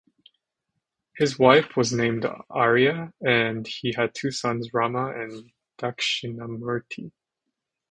His wife was named Arya and he had two sons Rama and Dakshinamurti.